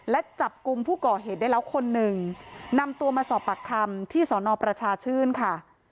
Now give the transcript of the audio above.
และจับกลุ่มผู้ก่อเหตุได้แล้วคนหนึ่งนำตัวมาสอบปากคำที่สอนอประชาชื่นค่ะ